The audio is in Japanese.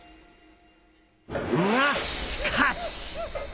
が、しかし！